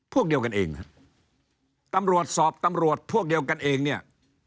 พวกเดียวกันเองฮะตำรวจสอบตำรวจพวกเดียวกันเองเนี่ย